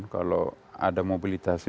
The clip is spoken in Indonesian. kalau ada mobilitasi